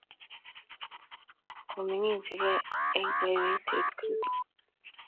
Oming'injige ge eng' kaiyweisietab Kristo.